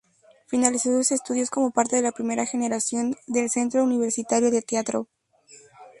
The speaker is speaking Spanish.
Finalizó sus estudios como parte de la primera generación del Centro Universitario de Teatro.